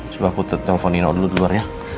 coba aku telepon nino dulu keluar ya